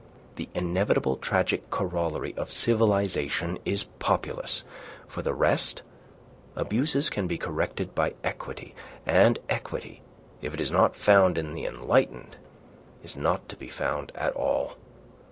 The inevitable, tragic corollary of civilization is populace. For the rest, abuses can be corrected by equity; and equity, if it is not found in the enlightened, is not to be found at all.